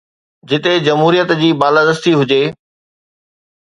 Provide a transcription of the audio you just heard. جتي جمهوريت جي بالادستي هجي.